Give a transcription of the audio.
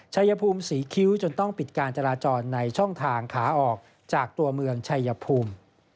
ชายภูมิศรีคิ้วจนต้องปิดการจราจรในช่องทางขาออกจากตัวเมืองชัยภูมิ